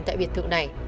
tại biệt thự này